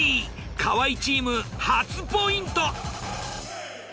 河合チーム初ポイント。